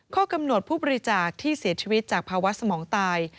ข้อกำหนดผู้บริจาคที่เสียชีวิตจากภาวะสมองตาย